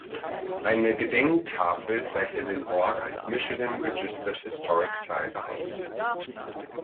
Eine Gedenktafel zeichnet den Ort als Michigan Registered Historic Site aus.